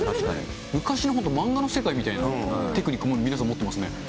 昔の漫画の世界みたいなテクニックを皆さん、持ってますね。